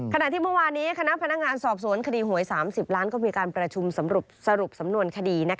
ขณะที่เมื่อวานี้คณะพนักงานสอบสวนคดีหวย๓๐ล้านก็มีการประชุมสรุปสำนวนคดี